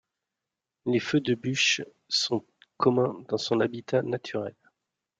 Les feux de bush sont communs dans son habitat naturel.